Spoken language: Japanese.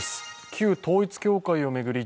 旧統一教会を巡り